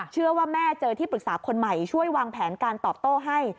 เชื่อว่าแม่เจอที่ปรึกษาคนใหม่ช่วยวางแผนการตอบโต้ให้